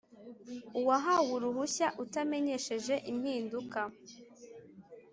Uwahawe uruhushya utamenyesheje impinduka